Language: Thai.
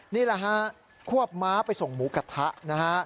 นี่แหละฮะควบม้าไปส่งหมูกระทะนะฮะ